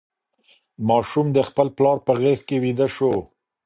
ماشوم د خپل پلار په غېږ کې ویده شو.